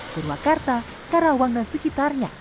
berwakarta karawang dan sekitarnya